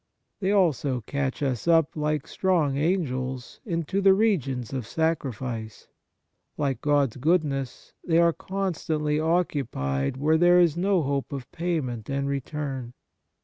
They also catch us up, like strong Angels, into the regions of sacrifice. Like God's goodness, they are constantly occupied where there is no hope of payment and return.